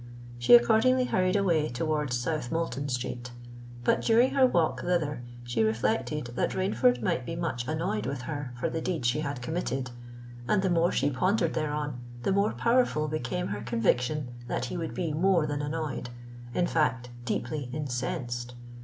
She accordingly hurried away towards South Moulton Street. But during her walk thither, she reflected that Rainford might be much annoyed with her for the deed she had committed; and the more she pondered thereon, the more powerful became her conviction that he would be more than annoyed—in fact, deeply incensed.